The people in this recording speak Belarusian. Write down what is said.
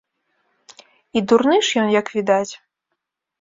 І дурны ж ён, як відаць.